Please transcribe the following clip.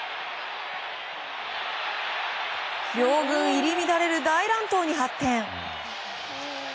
両軍入り乱れる大乱闘に発展。